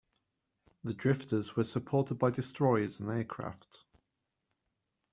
The drifters were supported by destroyers and aircraft.